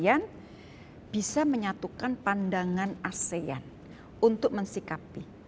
dalam artian bisa menyatukan pandangan asean untuk mensikapi